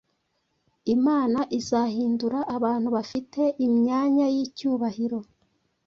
Imana izahindura abantu bafite imyanya y’icyubahiro,